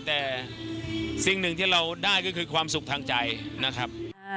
แต่สิ่งหนึ่งที่เราได้ก็คือความสุขทางใจนะครับ